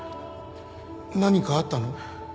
何かあったの？